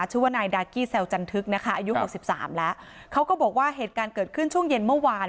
ชื่อว่านายดากี้แซวจันทึกนะคะอายุหกสิบสามแล้วเขาก็บอกว่าเหตุการณ์เกิดขึ้นช่วงเย็นเมื่อวาน